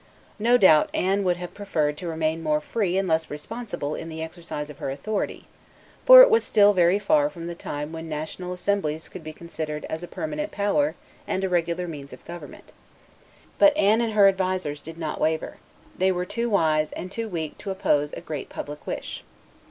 No doubt Anne would have preferred to remain more free and less responsible in the exercise of her authority; for it was still very far from the time when national assemblies could be considered as a permanent power and a regular means of government. But Anne and her advisers did not waver; they were too wise and too weak to oppose a great public wish.